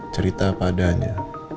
cerita apa adanya